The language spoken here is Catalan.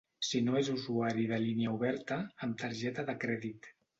Si no és usuari de línia oberta, amb targeta de crèdit.